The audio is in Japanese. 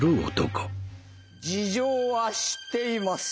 「事情は知っています」。